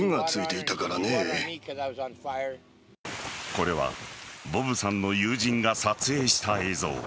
これはボブさんの友人が撮影した映像。